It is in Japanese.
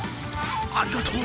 ありがとう！